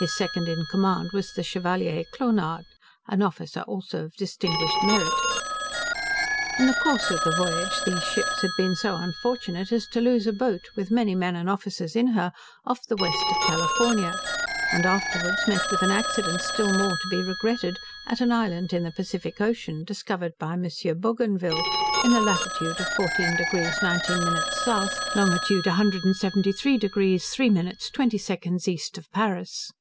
His second in command was the Chevalier Clonard, an officer also of distinguished merit. In the course of the voyage these ships had been so unfortunate as to lose a boat, with many men and officers in her, off the west of California; and afterwards met with an accident still more to be regretted, at an island in the Pacific Ocean, discovered by Monsieur Bougainville, in the latitude of 14 deg 19 min south, longitude 173 deg 3 min 20 sec east of Paris.